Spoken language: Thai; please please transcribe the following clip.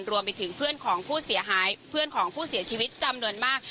รวมไปถึงเพื่อนของผู้เสียชีวิตจำนวนมาก